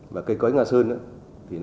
và cây cõi nga sơn